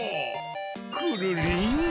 くるりん。